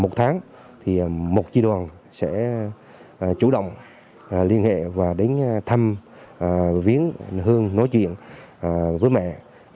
một tháng thì một chi đoàn sẽ chủ động liên hệ và đến thăm viến hương nói chuyện với mẹ